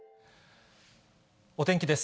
お天気です。